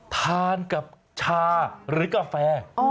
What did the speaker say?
ทานกับชาหรือกาแฟ